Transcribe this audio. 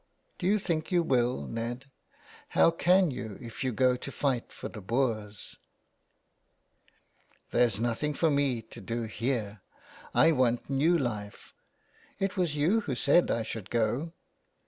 " Do you think you will, Ned ? How can you if you go to fight for the Boers ?"" There's nothing for me to do here. I want new life. It was you who said that I should go."